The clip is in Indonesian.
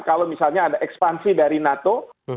kalau misalnya ada ekspansi dari nato